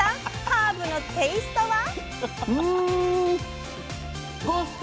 ハーブのテイストは？